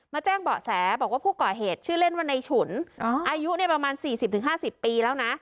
มาแจ้งเบาะแสบอกว่าผู้ก่อเหตุชื่อเล่นวันในฉุนอ๋ออายุเนี้ยประมาณสี่สิบถึงห้าสิบปีแล้วนะ